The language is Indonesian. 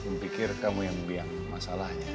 kumpikir kamu yang biar masalahnya